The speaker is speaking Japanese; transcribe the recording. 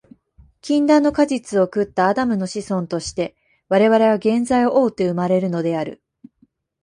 禁断の果実を食ったアダムの子孫として、我々は原罪を負うて生まれるのである。